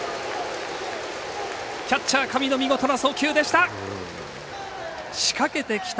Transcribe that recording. キャッチャー上の見事な送球でした。